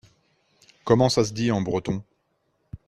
Comment ça se dit en breton ?